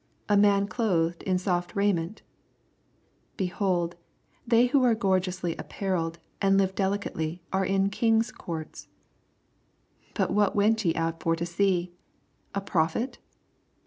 A man clothed in soft raiment ?!^ hold, they which are gorgeously ap parelled, and live delicately, are m Kings^ courts. 26 But what went ye out for to see f A prophet